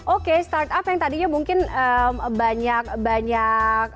oke start up yang tadinya mungkin banyak banyak